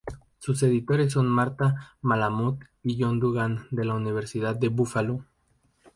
Sus editores son Marta Malamud y John Dugan de la Universidad de Búfalo.